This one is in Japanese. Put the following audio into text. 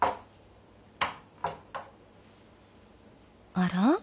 あら？